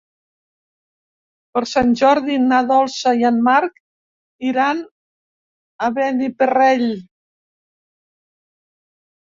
Per Sant Jordi na Dolça i en Marc iran a Beniparrell.